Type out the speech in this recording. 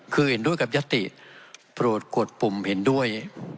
คือเห็นด้วยกับยติโปรดกดปุ่มเห็นด้วย